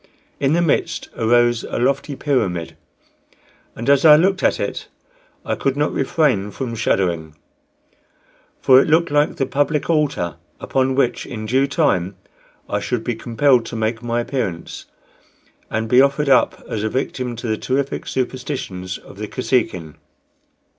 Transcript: In the midst arose a lofty pyramid, and as I looked at it I could not refrain from shuddering; for it looked like the public altar, upon which in due time I should be compelled to make my appearance, and be offered up as a victim to the terrific superstitions of the Kosekin.